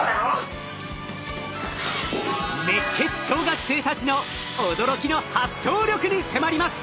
熱血小学生たちの驚きの発想力に迫ります。